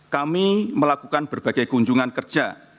kami melakukan berbagai kunjungan kerja